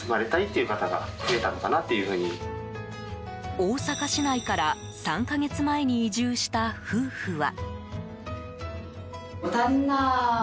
大阪市内から３か月前に移住した夫婦は。